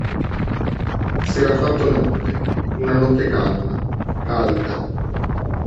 S'era fatto notte, una notte calma, calda.